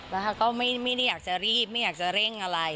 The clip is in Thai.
แล้วเขาก็ไม่ได้อยากจะรีบไม่อยากจะเร่งอะไร